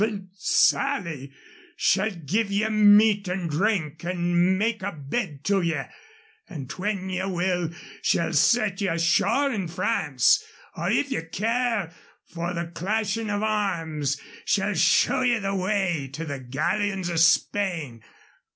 "Then Sally shall give ye meat and drink and make a bed to ye. An' when ye will she'll set ye ashore in France. Or, if ye care for the clashin' of arms, she'll show ye the path of the galleons o' Spain.